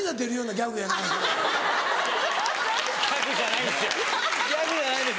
ギャグじゃないんですよ。